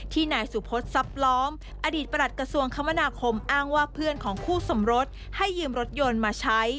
นายสุพศซับล้อมอดีตประหลัดกระทรวงคมนาคมอ้างว่าเพื่อนของคู่สมรสให้ยืมรถยนต์มาใช้